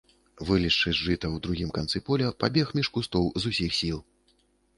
Вылезшы з жыта ў другім канцы поля, пабег між кустоў з усіх сіл.